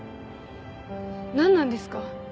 なんなんですか？